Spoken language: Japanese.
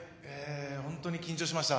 本当に緊張しました。